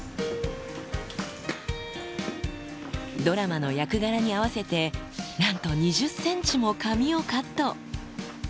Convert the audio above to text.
ドラマの役柄に合わせて、なんと２０センチも髪をカット。